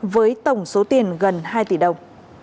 với tổng số tiền gần hai tỷ đồng